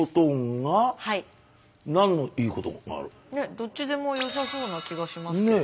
どっちでもよさそうな気がしますけど。